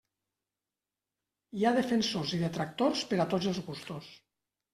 Hi ha defensors i detractors per a tots els gustos.